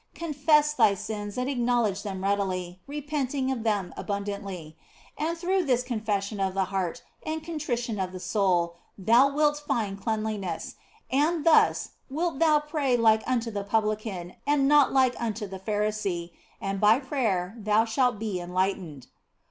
Confess thy sins and acknowledge them readily, repenting of them abundantly. And through this confession of the heart and contrition of the soul thou wilt find cleanliness, and thus wilt thou pray like unto the publican and not like unto the Pharisee, and by prayer thou shalt be enlightened.